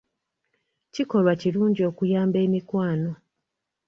Kikolwa kirungi okuyamba emikwano.